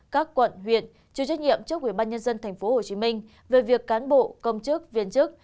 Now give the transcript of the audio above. các quận huyện chủ trách nhiệm trước ubnd tp hồ chí minh về việc cán bộ công chức viên chức